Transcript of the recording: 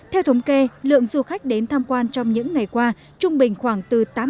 theo thống kê lượng du khách đến tham quan trong những ngày qua trung bình khoảng từ tám mươi